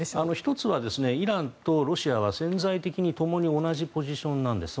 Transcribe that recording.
１つはイランとロシアは潜在的にともに同じポジションなんです。